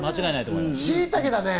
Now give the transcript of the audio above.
しいたけだね。